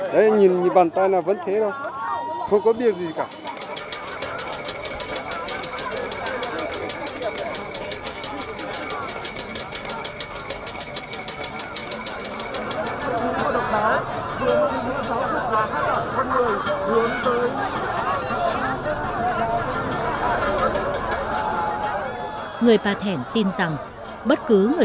đấy nhìn bàn tay là vẫn thế thôi